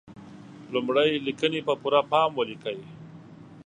لمړی: لیکنې په پوره پام ولیکئ.